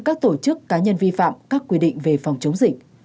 các tổ chức cá nhân vi phạm các quy định về phòng chống dịch